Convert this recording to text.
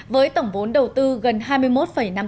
với tổng vốn đầu tư gần hai mươi một năm tỷ đồng